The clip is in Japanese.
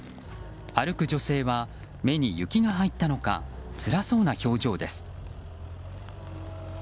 歩く女性は、目に雪が入ったのかつらそうな表情です。